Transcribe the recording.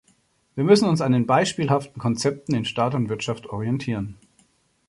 Wir müssen uns an beispielhaften Konzepten in Staat und Wirtschaft orientieren.